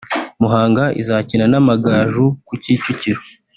Muhanga izakina n’Amagaju ku Kicukiro